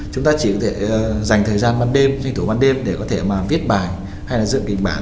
chúng ta chỉ có thể dành thời gian ban đêm tranh thủ ban đêm để có thể mà viết bài hay là dựng kịch bản